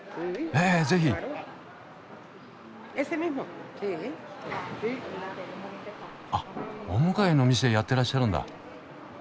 あっお向かいのお店やってらっしゃるんだ。